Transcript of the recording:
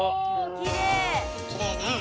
きれいね。